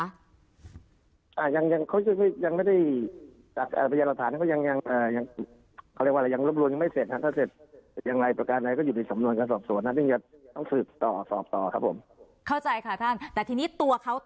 อ่ายังยังเขายังไม่ได้อ่าพยายามหลักฐานเขายังยังอ่า